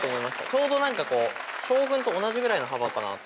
ちょうど将軍と同じぐらいの幅かなと。